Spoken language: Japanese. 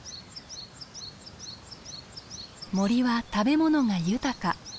森は食べ物が豊か。